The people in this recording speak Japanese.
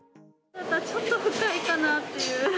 ちょっと不快かなっていう。